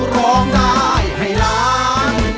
ร้องได้ให้ล้าน